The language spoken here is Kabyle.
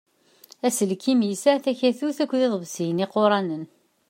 Aselkim yesɛa takatut akked iḍebṣiyen iquṛanen.